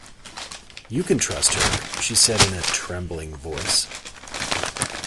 "You can trust her," she said in a trembling voice.